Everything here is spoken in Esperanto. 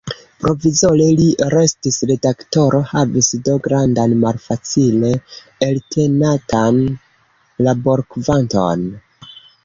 Provizore li restis redaktoro, havis do grandan, malfacile eltenatan laborkvanton.